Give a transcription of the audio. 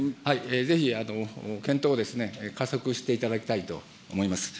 ぜひ、検討を加速していただきたいと思います。